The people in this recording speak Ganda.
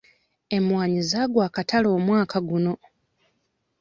Emwanyi zaagwa akatale omwaka guno.